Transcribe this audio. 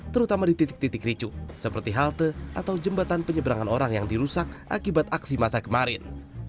terutama di titik titik ricu seperti halte atau jembatan penyeberangan orang yang dirusak akibat aksi masa kemarin